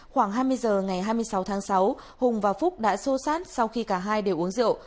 khoảng hai mươi h ngày hai mươi sáu tháng sáu hùng và phúc đã sô sát sau khi cả hai đều uống rượu